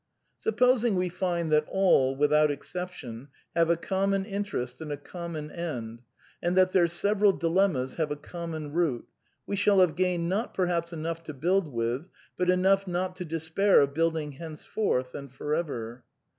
Supposing we find that all, without exception, have a common interest and a common end, and that their several dilemmas have a common root, we shall have gained, perhaps enough to build with, but enough not to despai of building henceforth and for ever.